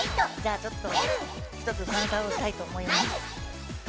ちょっと、一つファンサをしたいと思います。